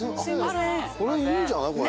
これいいんじゃない？